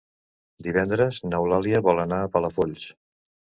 Divendres n'Eulàlia vol anar a Palafolls.